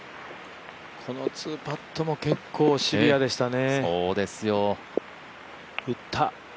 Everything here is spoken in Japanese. この２パットも結構シビアでしたね。